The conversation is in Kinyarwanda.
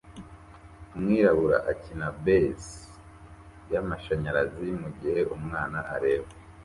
umwirabura akina bass yamashanyarazi mugihe umwana areba